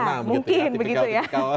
ya mungkin begitu ya